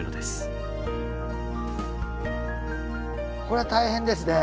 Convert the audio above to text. これは大変ですね。